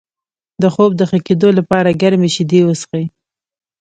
د خوب د ښه کیدو لپاره ګرمې شیدې وڅښئ